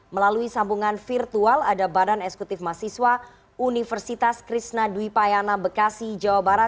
melalui sambungan virtual ada badan eksekutif mahasiswa universitas krishna dwi payana bekasi jawa barat